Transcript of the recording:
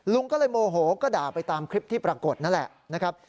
ลุงก็เลยโมโหก็ด่าไปตามคลิปที่ปรากฏนั่นแหละนะครับ